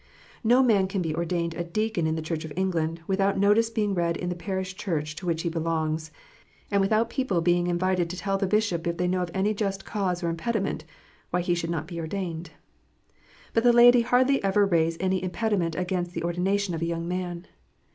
No man can be ordained a deacon in the Church of England, without notice being read in the parish church to which he belongs, and with out people being invited to tell the bishop if they know of any just cause or impediment why he should not be ordained. But the laity hardly ever raise any impediment against the ordination of a young man.